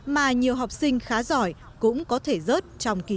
mà nhiều học sinh khá giỏi